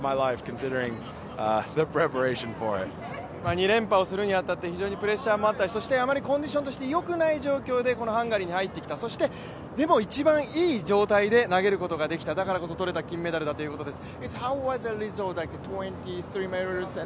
２連覇をするに当たって、非常にプレッシャーもあったりそしてあまりコンディションとしてよくない状況で、このハンガリーに入ってきた、でも、一番いい状態で投げることができた、だからこそ取れた金メダルということです。